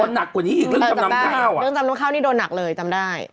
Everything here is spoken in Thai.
หนักกว่านี้อีกเรื่องจำนำข้าวเรื่องจำนงข้าวนี่โดนหนักเลยจำได้